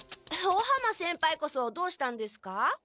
尾浜先輩こそどうしたんですか？